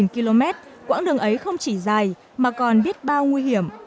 hai km quãng đường ấy không chỉ dài mà còn biết bao nguy hiểm